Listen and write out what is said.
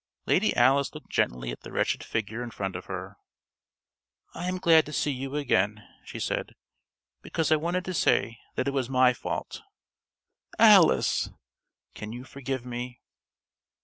Lady Alice looked gently at the wretched figure in front of her. "I am glad to see you again," she said. "Because I wanted to say that it was my fault!" "Alice!" "Can you forgive me?"